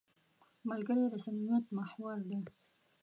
ملګری د صمیمیت محور دی